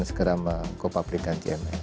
sudah lama go public kan gmf